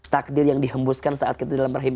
takdir yang dihembuskan saat kita dalam rahim